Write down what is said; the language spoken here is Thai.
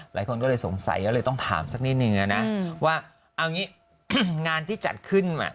หลายคนก็เลยสงสัยต้องถามสักนิดนึงนะว่างานที่จัดขึ้นมา